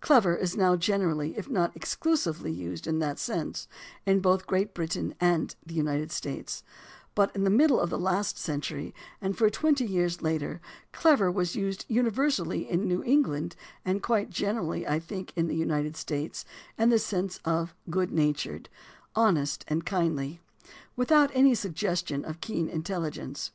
"Clever" is now gener ally, if not exclusively, used in that sense in both Great Britain and the United States; but in the middle of the last century and for twenty years later "clever" was used universally in New England, and quite generally, I think, in the United States, in the sense of "good natured," "honest and kindly," without any sugges tion of keen intelligence.